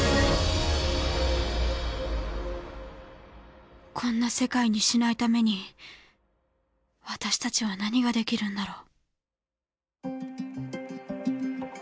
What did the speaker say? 心の声こんな世界にしないために私たちは何ができるんだろう？